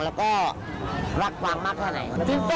แล้วก็รักกว้างมากเท่านั้น